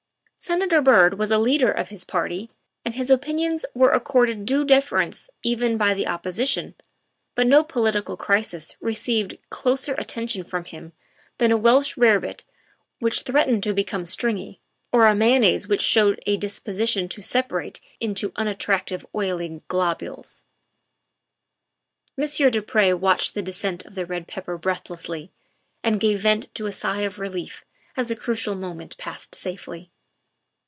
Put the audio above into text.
Senator Byrd was a leader of his party, and his opin ions were accorded due deference even by the opposition, but no political crisis received closer attention from him than a Welsh rarebit which threatened to become stringy or a mayonnaise which showed a disposition to separate into unattractire oily globules. Monsieur du Pre watched the descent of the red pepper breathlessly, and gave vent to a sigh of relief as the crucial moment passed safely.